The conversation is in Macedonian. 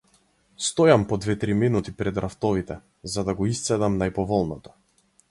Стојам по две-три минути пред рафтовите, за да го исцедам најповолното.